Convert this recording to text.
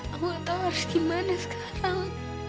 aku nggak tahu harus gimana sekarang